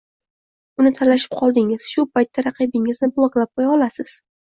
uni talashib qoldingiz, shu paytda raqibingizni bloklab qo‘ya olasiz.